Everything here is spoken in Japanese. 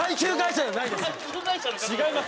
違います。